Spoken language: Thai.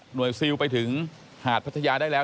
หน่วยซิลไปถึงหาดพัชยาได้แล้ว